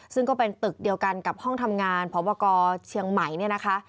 ซึ่งก็เป็นตึกเดียวกันกับห้องทำงานพบกเชียงใหม่เนี่ยนะคะ